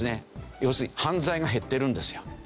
要するに犯罪が減ってるんですよ。